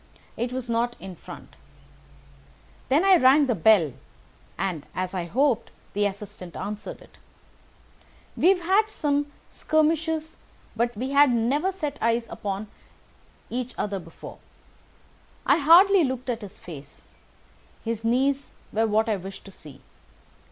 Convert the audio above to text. It was not in front. Then I rang the bell, and, as I hoped, the assistant answered it. We have had some skirmishes, but we had never set eyes upon each other before. I hardly looked at his face. His knees were what I wished to see.